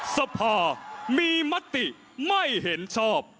สภามีมติไม่เห็นชอบ